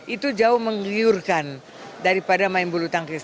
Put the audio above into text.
itu jauh menggiurkan daripada main bulu tangkis